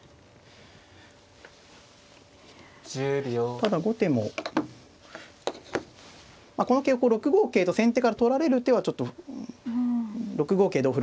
ただ後手もこの桂は６五桂と先手から取られる手はちょっと６五桂同歩